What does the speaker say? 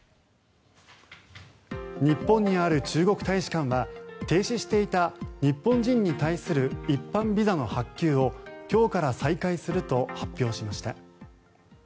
日本にある中国大使館は停止していた日本人に対する一般ビザの発給を今日から再開すると発表しました。